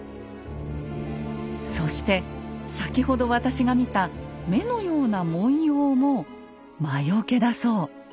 そして先ほど私が見た目のような文様も魔よけだそう。